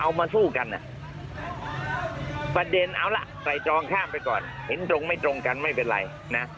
มาสู้กันประเด็นเอาล่ะใส่ตรองข้ามไปก่อนเห็นตรงไม่ตรงกันไม่เป็นไรนะ